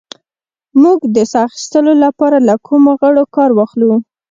موږ د ساه اخیستلو لپاره له کومو غړو کار اخلو